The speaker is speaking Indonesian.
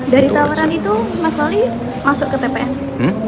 dari tawaran itu mas wali masuk ke tpn